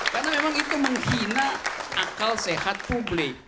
karena memang itu menghina akal sehat publik